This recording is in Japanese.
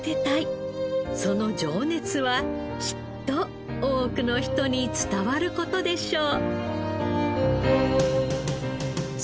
その情熱はきっと多くの人に伝わる事でしょう。